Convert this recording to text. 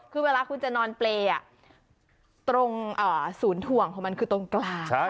คือเวลาคุณจะนอนเปรย์ตรงศูนย์ถ่วงของมันคือตรงกลาง